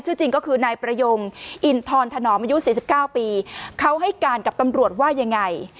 ชื่อจริงก็คือนายประยงอินทรทนมายุ๔๙ปีเขาให้การกับตำรวจว่ายังไง